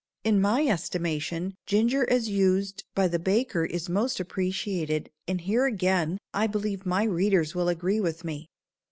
In my estimation ginger as used by the baker is most appreciated and here again I believe my readers will agree with me.